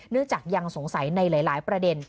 จากยังสงสัยในหลายประเด็น